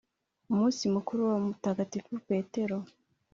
umunsi mukuru wa mutagatifu petero